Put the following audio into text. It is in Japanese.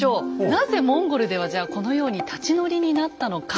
なぜモンゴルではじゃあこのように立ち乗りになったのか。